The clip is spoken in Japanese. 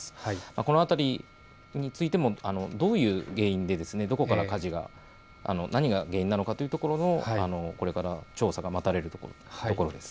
この辺についてもどういう原因で何が原因なのかそういうところもこれから調査が分かれるところです。